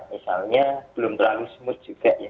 misalnya belum terlalu smooth juga ya